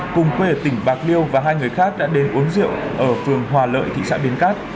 cùng quê ở tỉnh bạc liêu và hai người khác đã đến uống rượu ở phường hòa lợi thị xã bến cát